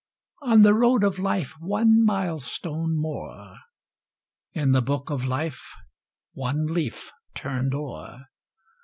On the road of life one mile stone more ! In the book of life one leaf turned o'er